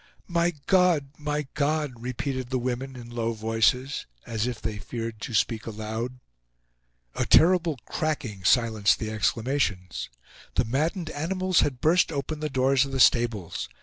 "My God! My God!" repeated the women, in low voices, as if they feared to speak aloud. A terrible cracking silenced the exclamations. The maddened animals had burst open the doors of the stables.